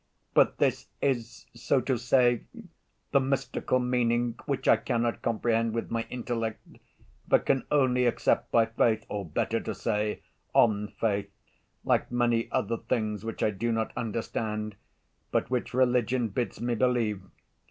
But this is, so to say, the mystical meaning which I cannot comprehend with my intellect, but can only accept by faith, or, better to say, on faith, like many other things which I do not understand, but which religion bids me believe.